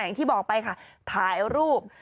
อย่างที่บอกไปค่ะถ่ายรูป